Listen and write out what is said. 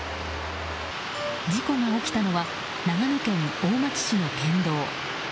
事故が起きたのは長野県大町市の県道。